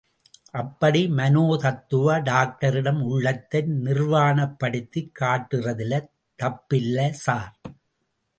அப்படி மனோதத்துவ டாக்டரிடம் உள்ளத்தை நிர்வாணப்படுத்திக் காட்டுறதுல தப்பில்ல ஸார்.